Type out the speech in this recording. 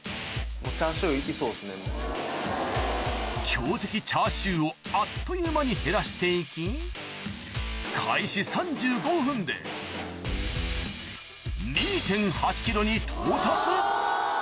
強敵チャーシューをあっという間に減らしていき開始３５分でに到達